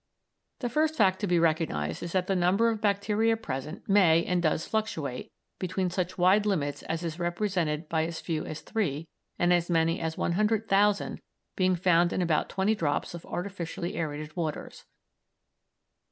The first fact to be recognised is that the number of bacteria present may and does fluctuate between such wide limits as is represented by as few as three, and as many as 100,000 being found in about twenty drops of artificially aërated waters.